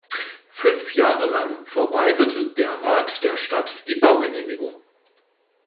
Fünf Jahre lang verweigerte der Rat der Stadt die Baugenehmigung.